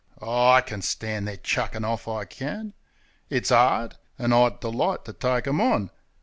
Aw, I can stand their chuckin' off, I can. It's 'ard; an' I'd delight to take 'em on.